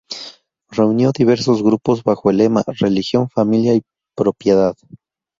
Reunió diversos grupos bajo el lema "Religión, familia y propiedad".